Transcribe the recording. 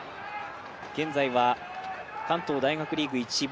現在は関東大学リーグ１部